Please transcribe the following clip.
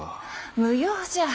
無用じゃ。